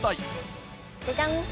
ジャジャン！